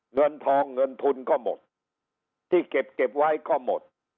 เงินทองเงินทุนก็หมดที่เก็บเก็บไว้ก็หมด